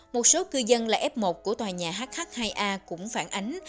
một số cư dân là f một của tòa nhà hh hai a cũng phản ánh